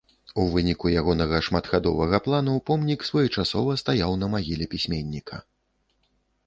У выніку ягонага шматхадовага плану помнік своечасова стаяў на магіле пісьменніка.